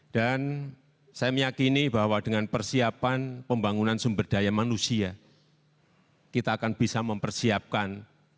dan saya meyakini bahwa dengan persiapan pembangunan sumber daya manusia kita akan bisa mempersiapkan